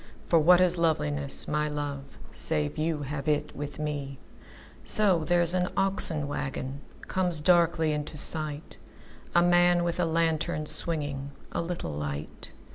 For what is loveliness, my love, Save you have it with me! So, there's an oxen wagonComes darkly into sight:A man with a lantern, swingingA little light.